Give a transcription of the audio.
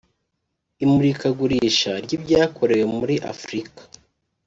imurikagurisha ry’ibyakorewe muri Afurika